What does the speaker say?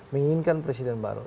menginginkan presiden baru